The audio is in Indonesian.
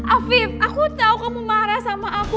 alvif aku tau kamu marah sama aku